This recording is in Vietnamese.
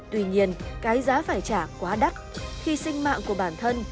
tuy nhiên cái giá phải trả quá đắt khi sinh mạng của bản thân